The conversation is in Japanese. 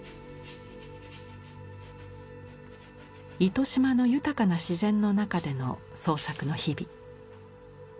糸島の豊かな自然の中での創作の日々。